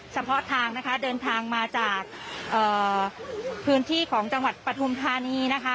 เฉพาะทางนะคะเดินทางมาจากพื้นที่ของจังหวัดปฐุมธานีนะคะ